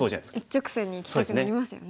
一直線にいきたくなりますよね。